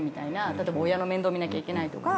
例えば親の面倒見なきゃいけないとか。